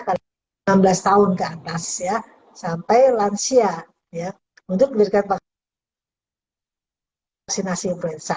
karena enam belas tahun ke atas ya sampai lansia ya untuk diberikan vaksinasi influenza